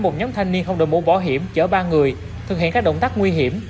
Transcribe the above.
một nhóm thanh niên không đổi mũ bỏ hiểm chở ba người thực hiện các động tác nguy hiểm